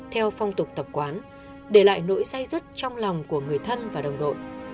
theo phong tục tập quán để lại nỗi say rứt trong lòng của người thân và đồng đội